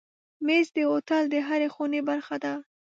مېز د هوټل د هرې خونې برخه ده.